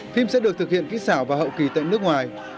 phim sẽ được thực hiện kỹ xảo và hậu kỳ tại nước ngoài